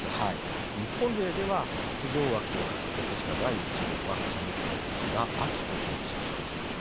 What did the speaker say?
日本勢では出場枠を獲得した第１号は射撃の瀬賀亜希子選手です。